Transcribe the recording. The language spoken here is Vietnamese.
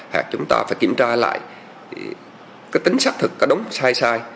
hoặc chúng ta phải kiểm tra lại cái tính xác thực có đúng hay sai